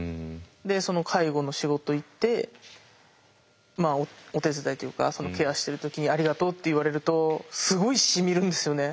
でその介護の仕事行ってお手伝いというかケアしてる時にありがとうって言われるとすごいしみるんですよね。